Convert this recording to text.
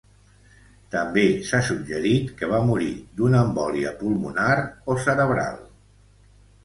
També s'ha suggerit que va morir d'una embòlia pulmonar o cerebral.